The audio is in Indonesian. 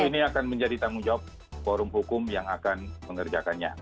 ini akan menjadi tanggung jawab forum hukum yang akan mengerjakannya